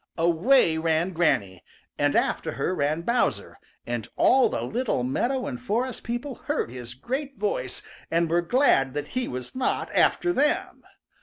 Away ran Granny, and after her ran Bowser, and all the little meadow and forest people heard his great voice and were glad that he was not after them.